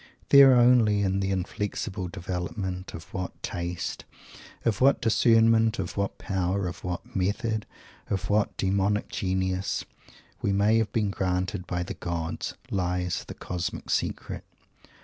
There only, in the inflexible development of what taste, of what discernment, of what power, of what method, of what demonic genius, we may have been granted by the gods, lies "the cosmic secret."